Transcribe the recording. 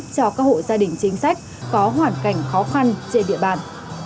cho các hộ gia đình chính sách có hoàn cảnh khó khăn trên địa bàn